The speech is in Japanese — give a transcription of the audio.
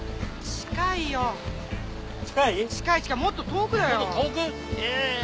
近い近いもっと遠くだよ。